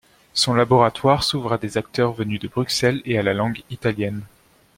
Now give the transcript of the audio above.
Son laboratoire s'ouvre à des acteurs venus de Bruxelles et à la langue italienne.